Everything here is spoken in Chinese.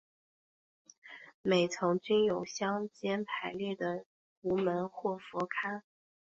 每层均开有相间排列的壸门或佛龛。